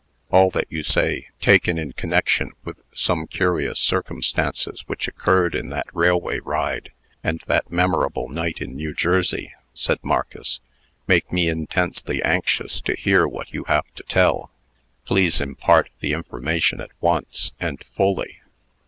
"All that you say, taken in connection with some curious circumstances which occurred on that railway ride, and that memorable night in New Jersey," said Marcus, "make me intensely anxious to hear what you have to tell. Please impart the information at once, and fully.